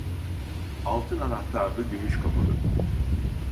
Altın anahtarlı gümüş kapılı.